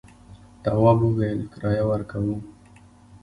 تواب وویل کرايه ورکوم.